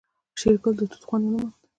شېرګل د توت خوند ونه موند.